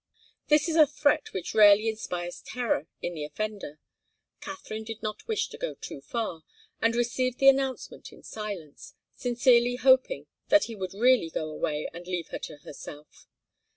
This is a threat which rarely inspires terror in the offender. Katharine did not wish to go too far, and received the announcement in silence, sincerely hoping that he would really go away and leave her to herself.